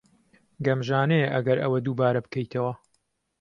گەمژانەیە ئەگەر ئەوە دووبارە بکەیتەوە.